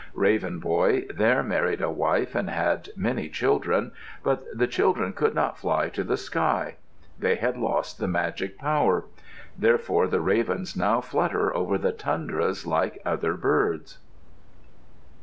Raven Boy there married a wife and he had many children. But the children could not fly to the sky. They had lost the magic power. Therefore the ravens now flutter over the tundras like other birds.